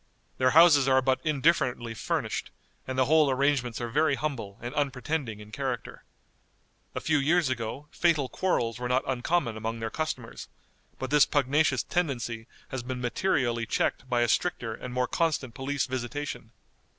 Their houses are but indifferently furnished, and the whole arrangements are very humble and unpretending in character. A few years ago fatal quarrels were not uncommon among their customers, but this pugnacious tendency has been materially checked by a stricter and more constant police visitation.